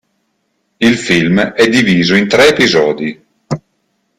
Il film è diviso in tre episodi.